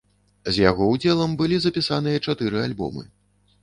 З яго ўдзелам былі запісаныя чатыры альбомы.